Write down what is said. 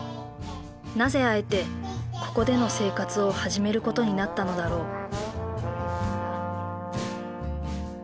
なぜあえてここでの生活を始めることになったのだろう。